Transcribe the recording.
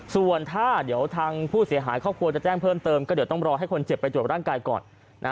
ส่วนถ้าเดี๋ยวทางผู้เสียหายครอบครัวจะแจ้งเพิ่มเติมก็เดี๋ยวต้องรอให้คนเจ็บไปตรวจร่างกายก่อน